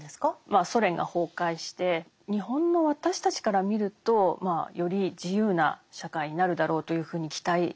まあソ連が崩壊して日本の私たちから見るとより自由な社会になるだろうというふうに期待していましたよね。